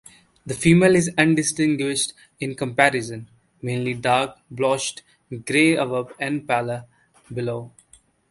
The female is undistinguished in comparison, mainly dark-blotched grey above and paler below.